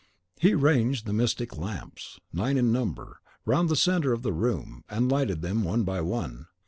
He ranged the mystic lamps (nine in number) round the centre of the room, and lighted them one by one.